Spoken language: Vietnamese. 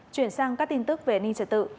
chuyển sang các tin tức về ninh trả tự